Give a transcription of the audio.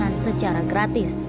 dan secara gratis